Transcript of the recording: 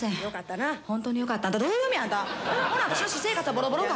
ほな私生活はボロボロか？